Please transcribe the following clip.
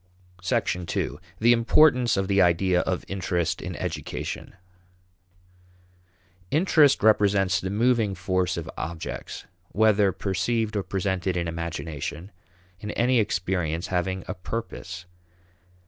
2. The Importance of the Idea of Interest in Education. Interest represents the moving force of objects whether perceived or presented in imagination in any experience having a purpose.